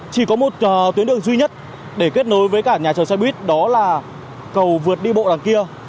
chỉ có một tuyến đường duy nhất để kết nối với cả nhà chờ xe buýt đó là cầu vượt đi bộ làng kia